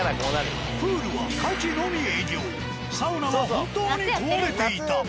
プールは夏季のみ営業サウナは本当に壊れていた。